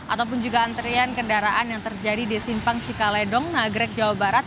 ataupun juga antrian kendaraan yang terjadi di simpang cikaledong nagrek jawa barat